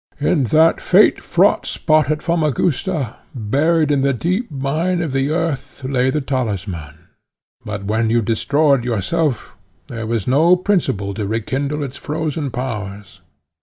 "In that fate fraught spot at Famagusta, buried in the deep mine of the earth, lay the talisman; but, when you destroyed yourself, there was no principle to rekindle its frozen powers.